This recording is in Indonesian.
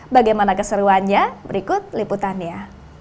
bagaimana keseruannya berikut liputannya